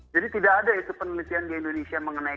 jadi tidak ada itu penelitian di indonesia mengenai